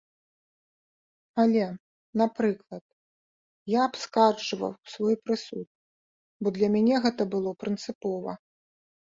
Але, напрыклад, я абскарджваў свой прысуд, бо для мяне гэта было прынцыпова.